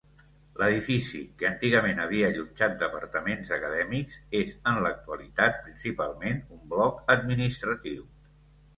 L'edifici, que antigament havia allotjat departaments acadèmics, és en l'actualitat principalment un bloc administratiu.